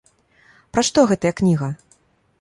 Пра што гэтая кніга?